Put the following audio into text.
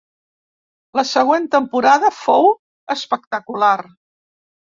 La següent temporada fou espectacular.